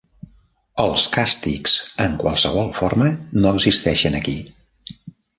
Els càstigs en qualsevol forma no existeixen aquí.